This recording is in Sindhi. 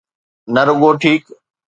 نه رڳو ٺيڪ.